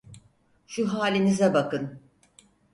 Şu halinize bakın!